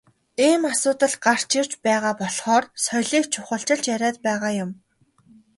Ийм асуудал гарч ирж байгаа болохоор соёлыг чухалчилж яриад байгаа юм.